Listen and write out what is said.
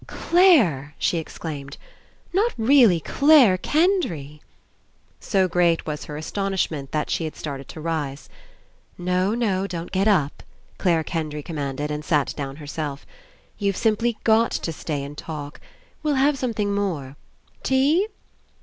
"Clare!" she exclaimed, "not really Clare Kendry?" 22 ENCOUNTER So great was her astonishment that she had started to rise. ^'No, no, don't get up," Clare Kendry commanded, and sat down herself. "You've simply got to stay and talk. We'll have some thing more. Tea